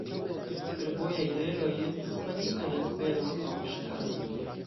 Fervojaj reloj estas faritaj el fero aŭ ŝtalo.